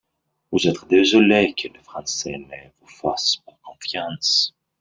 Vous être désolé que les Français ne vous fassent pas confiance.